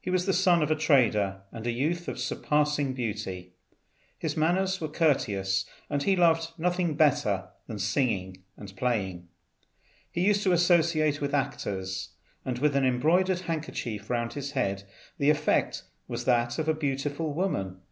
He was the son of a trader, and a youth of surpassing beauty. His manners were courteous, and he loved nothing better than singing and playing. He used to associate with actors, and with an embroidered handkerchief round his head the effect was that of a beautiful woman.